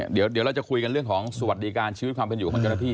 เดี๋ยวเราจะคุยกันเรื่องของสวัสดิการชีวิตความเป็นอยู่ของเจ้าหน้าที่